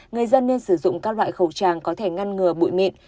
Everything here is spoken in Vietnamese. người dân nên sử dụng các loại khẩu trang có thể ngăn ngừa bụi mịn